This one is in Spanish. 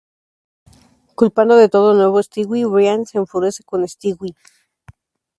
Culpando de todo a nuevo Stewie Brian se enfurece con Stewie.